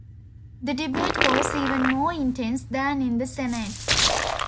The debate was even more intense than in the Senate.